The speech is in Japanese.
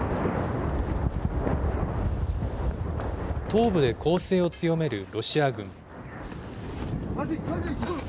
東部で攻勢を強めるロシア軍。